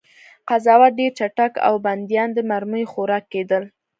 قضاوت ډېر چټک و او بندیان د مرمیو خوراک کېدل